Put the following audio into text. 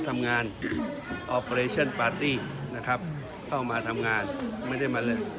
ทำงานฟักฟักทำงานนะครับเข้ามาทำงานไม่ได้มา